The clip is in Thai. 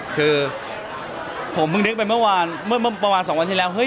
คือผมเพิ่งนึกไปเมื่อวานเมื่อประมาณ๒วันที่แล้วเฮ้